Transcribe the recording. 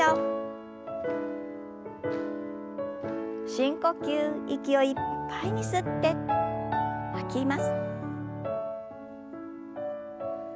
深呼吸息をいっぱいに吸って吐きます。